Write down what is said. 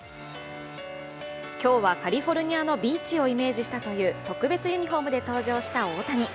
今日はカリフォルニアのビーチをイメージしたという特別ユニフォームで登場した大谷。